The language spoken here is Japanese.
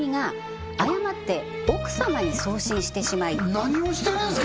何をしてるんすか！